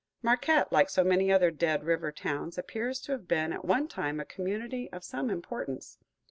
Marquette, like so many other dead river towns, appears to have been at one time a community of some importance.